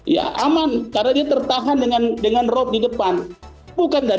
ya aman karena dia tertahan dengan rob di depan